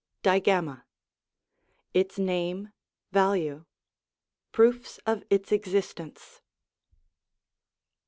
DiGA]viMA : ITS NAME, value; PEOOFS OF ITS EXISTENCE.